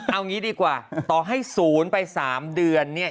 เอางี้ดีกว่าต่อให้ศูนย์ไป๓เดือนเนี่ย